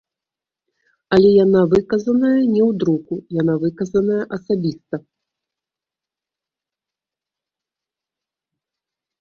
Але яна выказаная не ў друку, яна выказаная асабіста.